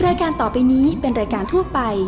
รายการต่อไปนี้เป็นรายการทั่วไป